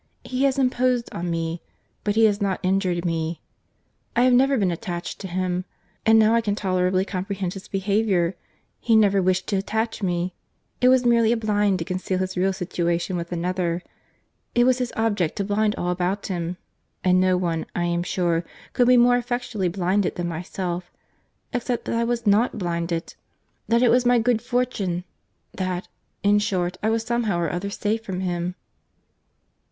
He has imposed on me, but he has not injured me. I have never been attached to him. And now I can tolerably comprehend his behaviour. He never wished to attach me. It was merely a blind to conceal his real situation with another.—It was his object to blind all about him; and no one, I am sure, could be more effectually blinded than myself—except that I was not blinded—that it was my good fortune—that, in short, I was somehow or other safe from him."